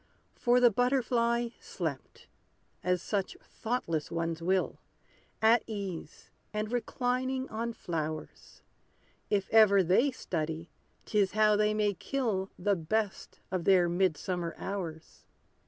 For the butterfly slept; as such thoughtless ones will, At ease, and reclining on flowers; If ever they study, 'tis how they may kill The best of their mid summer hours!